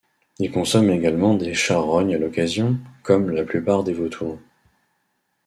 Il consomme également des charognes à l'occasion, comme la plupart des vautours.